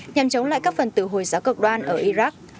nhằm chống lại các phần tử hồi giáo cực đoan ở iraq